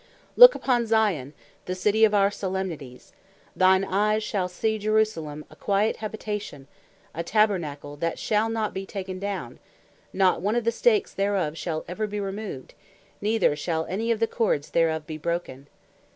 "Look upon Zion, the City of our solemnities, thine eyes shall see Jerusalem a quiet habitation, a tabernacle that shall not be taken down; not one of the stakes thereof shall ever be removed, neither shall any of the cords thereof be broken.